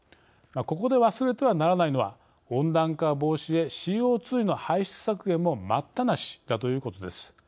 ここで忘れてはならないのは温暖化防止へＣＯ２の排出削減も待ったなしだということです。